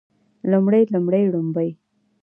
لومړی لومړۍ ړومبی